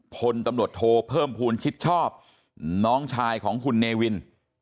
พลตำรวจโทเพิ่มภูมิชิดชอบน้องชายของคุณเนวิน